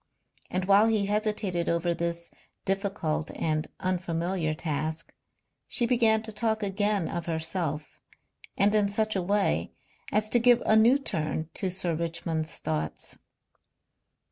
And while he hesitated over this difficult and unfamiliar task she began to talk again of herself, and in such a way as to give a new turn to Sir Richmond's thoughts.